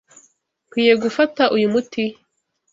Nkwiye gufata uyu muti?